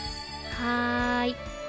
はい。